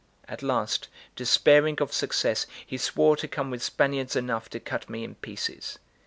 At last, despairing of success, he swore to come with Spaniards enough to cut me in pieces.